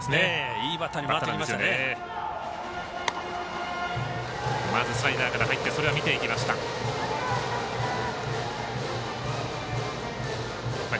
いいバッターに回ってきましたね。